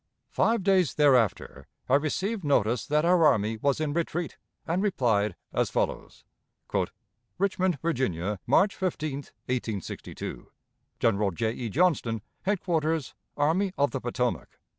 Five days thereafter, I received notice that our army was in retreat, and replied as follows: "Richmond, Virginia, March 15, 1862. "General J. E. Johnston, Headquarters Army of the Potomac.